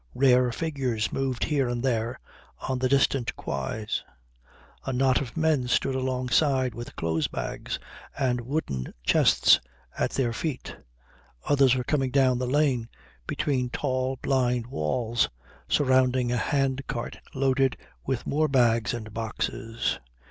Rare figures moved here and there on the distant quays. A knot of men stood alongside with clothes bags and wooden chests at their feet. Others were coming down the lane between tall, blind walls, surrounding a hand cart loaded with more bags and boxes.